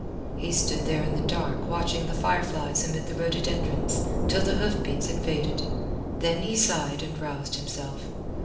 He stood there in the dark watching the fireflies amid the rhododendrons, till the hoofbeats had faded. Then he sighed and roused himself.